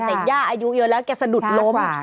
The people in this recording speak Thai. แต่ย่าอายุเยอะแล้วแกสะดุดล้ม